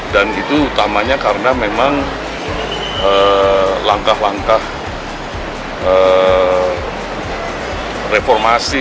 dan itu utamanya karena memang langkah langkah reformasi